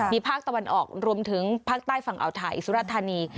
มีภาคตะวันออกรวมถึงภาคใต้ฝั่งอ่าวไทยสุรธานี